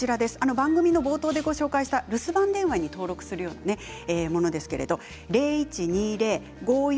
番組の冒頭でご紹介した留守番電話に登録するものです。